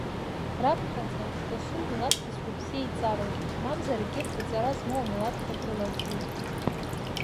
Раԥхьаӡа дасу имилаҭ бызшәа бзиа иҵароуп, мамзар егьырҭ аҵара змоу амилаҭқәа дрылаӡуеит.